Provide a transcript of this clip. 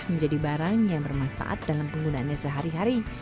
menjadi barang yang bermanfaat dalam penggunaannya sehari hari